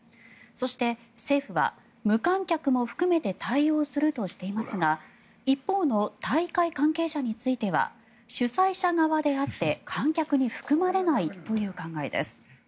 そして、政府は無観客も含めて対応するとしていますが一方の大会関係者については主催者側であって観客に含まれないという考えです。